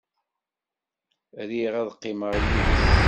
Riɣ ad qqimeɣ yid-s.